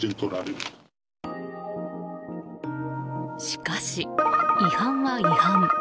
しかし違反は違反。